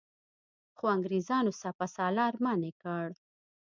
خو انګرېزانو سپه سالار منع کړ.